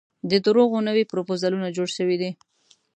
د درواغو نوي پرفوزلونه جوړ شوي دي.